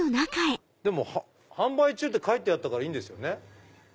でも販売中って書いてあったからいいんですよね。